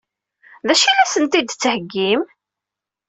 D acu i la sent-d-tettheggim?